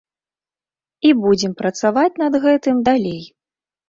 І будзем працаваць над гэтым далей.